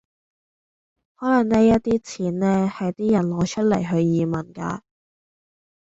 可能呢一啲錢呢，係啲人攞出嚟去移民㗎